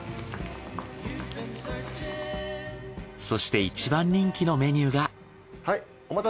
そして１番人気のメニューが。